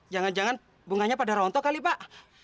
jangan jangan bunganya pada rontok kali pak